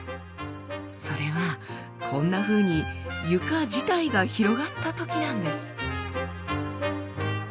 それはこんなふうに床自体が広がったときなんです。